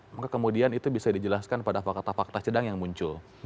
maka kemudian itu bisa dijelaskan pada fakta fakta sedang yang muncul